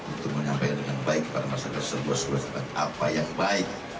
untuk menyampaikan dengan baik kepada masyarakat sebuah sebuah apa yang baik